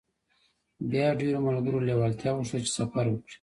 بيا ډېرو ملګرو لېوالتيا وښوده چې سفر وکړي.